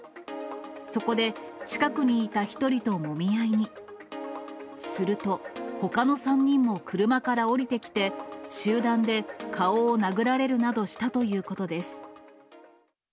そこで、近くにいた１人ともみ合いに。するとほかの３人も車から降りてきて、集団で顔を殴られるなどしたということです。